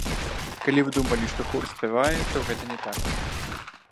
Калі вы думалі, што хор спявае, то гэта не так.